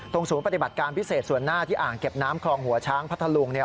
ศูนย์ปฏิบัติการพิเศษส่วนหน้าที่อ่างเก็บน้ำคลองหัวช้างพัทธลุงเนี่ย